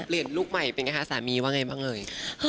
เปลี่ยนลูกใหม่เป็นยังไงคะสามีว่าอย่างไรบ้างเลย